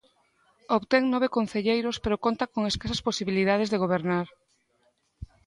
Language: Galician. Obtén nove concelleiros pero conta con escasas posibilidades de gobernar.